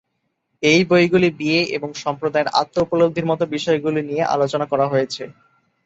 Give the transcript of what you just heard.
এই বইগুলি বিয়ে এবং সম্প্রদায়ের আত্ম-উপলব্ধির মত বিষয়গুলি নিয়ে আলোচনা করা হয়েছে।